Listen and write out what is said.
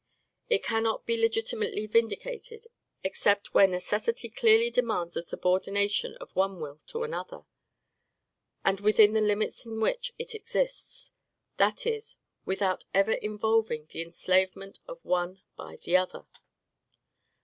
It cannot be legitimately vindicated except where necessity clearly demands the subordination of one will to another, and within the limits in which it exists; that is, without ever involving the enslavement of one by the other.